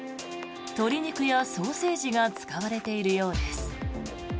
鶏肉やソーセージが使われているようです。